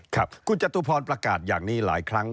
ครับคุณจตุพรประกาศอย่างนี้หลายครั้ง